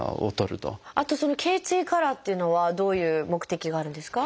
あとその頚椎カラーっていうのはどういう目的があるんですか？